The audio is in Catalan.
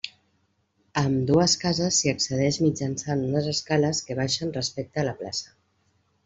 A ambdues cases s'hi accedeix mitjançant unes escales que baixen respecte a la plaça.